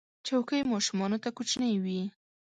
چوکۍ ماشومانو ته کوچنۍ وي.